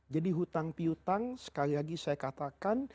jadi hutang pihutang sekali lagi saya katakan